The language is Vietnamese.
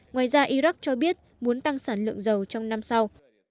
ngoài ra iraq cho biết muốn tăng sản lượng dầu trong năm sau